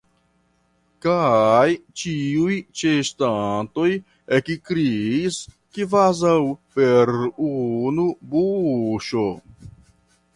Kaj ĉiuj ĉeestantoj ekkriis kvazaŭ per unu buŝo.